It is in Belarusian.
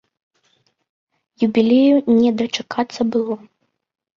Юбілею не дачакацца было.